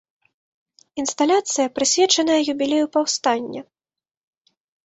Інсталяцыя, прысвечаная юбілею паўстання.